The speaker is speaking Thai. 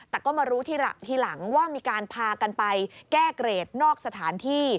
แต่ก็มารู้ทีหลังว่ามีการพากันไปแก้เกรดนอกสถานที่